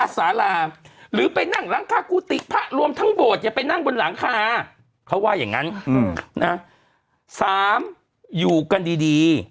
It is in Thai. สามอยู่กันดี